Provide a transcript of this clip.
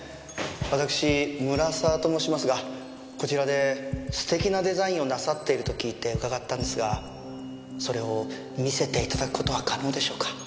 私村沢と申しますがこちらで素敵なデザインをなさっていると聞いて伺ったんですがそれを見せて頂く事は可能でしょうか？